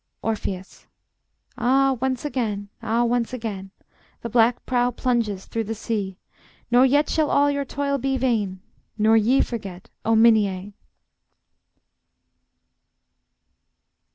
Orpheus: Ah, once again, ah, once again, The black prow plunges through the sea; Nor yet shall all your toil be vain, Nor ye forget, O Minyæ!